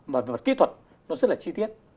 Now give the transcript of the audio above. và kỹ thuật nó rất là chi tiết